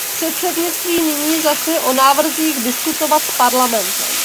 Předsednictví nyní začne o návrzích diskutovat s Parlamentem.